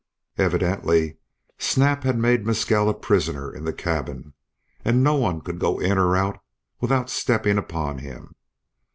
Evidently Snap had made Mescal a prisoner in the cabin, and no one could go in or out without stepping upon him.